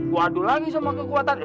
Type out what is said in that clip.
guadul lagi sama kekuatan